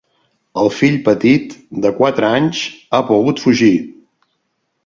El fill petit, de quatre anys, ha pogut fugir.